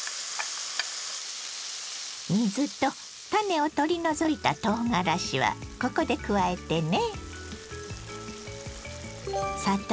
水と種を取り除いたとうがらしはここで加えてね。